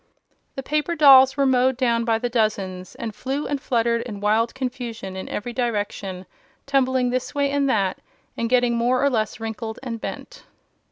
The paper dolls were mowed down by dozens, and flew and fluttered in wild confusion in every direction, tumbling this way and that and getting more or less wrinkled and bent.